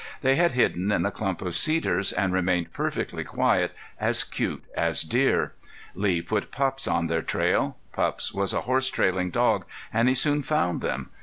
They had hidden in a clump of cedars and remained perfectly quiet, as cute as deer. Lee put Pups on their trail. Pups was a horse trailing dog and he soon found them.